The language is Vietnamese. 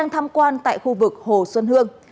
tham quan tại khu vực hồ xuân hương